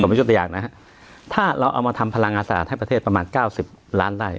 ผมมีโจทยากนะฮะถ้าเราเอามาทำพลังอาสาทให้ประเทศประมาณเก้าสิบล้านไล่